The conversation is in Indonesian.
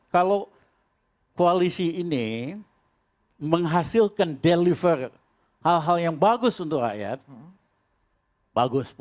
kalau koalisi ini menghasilkan deliver hal hal yang bagus untuk rakyat bagus